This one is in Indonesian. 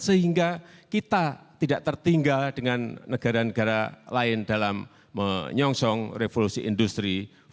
sehingga kita tidak tertinggal dengan negara negara lain dalam menyongsong revolusi industri empat